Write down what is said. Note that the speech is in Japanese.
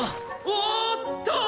おっと！